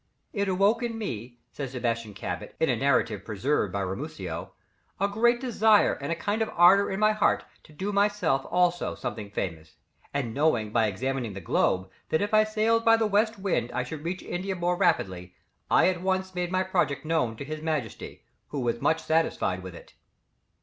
"It awoke in me," says Sebastian Cabot, in a narrative preserved by Ramusio, "a great desire and a kind of ardour in my heart to do myself also something famous, and knowing by examining the globe, that if I sailed by the west wind I should reach India more rapidly, I at once made my project known to His Majesty, who was much satisfied with it."